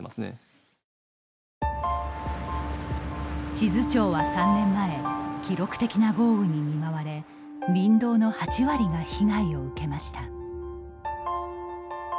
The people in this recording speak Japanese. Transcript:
智頭町は３年前記録的な豪雨に見舞われ林道の８割が被害を受けました。